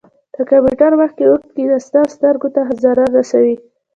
د کمپیوټر مخ کې اوږده کښیناستل سترګو ته ضرر رسوي.